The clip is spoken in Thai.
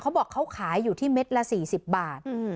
เขาบอกเขาขายอยู่ที่เม็ดละ๔๐บาท